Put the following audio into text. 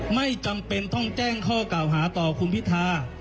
ไม่จำเป็นต้องแจ้งข้อกล่าวหาต่อคุณพิธา